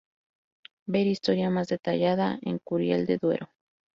Ver historia más detallada en Curiel de Duero.